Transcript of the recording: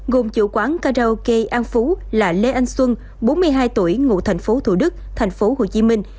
gồm chủ quán karaoke an phú là lê anh xuân bốn mươi hai tuổi ngụ thành phố thủ đức thành phố hồ chí minh